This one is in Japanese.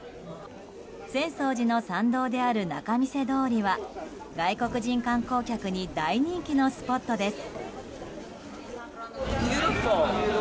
浅草寺の参道である仲見世通りは外国人観光客に大人気のスポットです。